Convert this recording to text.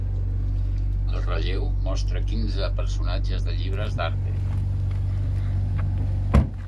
El relleu mostra quinze personatges de llibres d'Harte.